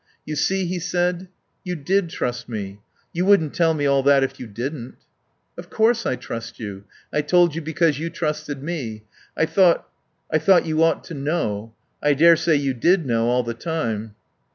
"You see," he said, "you did trust me. You wouldn't tell me all that if you didn't." "Of course I trust you. I told you because you trusted me. I thought I thought you ought to know. I daresay you did know all the time."